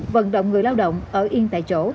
vận động người lao động ở yên tại chỗ